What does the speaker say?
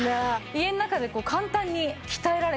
家の中で簡単に鍛えられて。